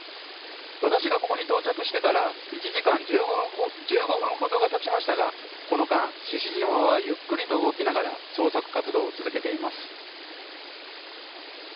私がここに到着してから１時間１５分ほどがたちましたがこの間、ししじまはゆっくりと動きながら捜索活動を続けています。